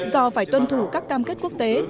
do phải tuân thủ các cam kết quốc tế